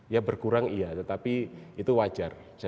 ya berkurang iya tetapi itu wajar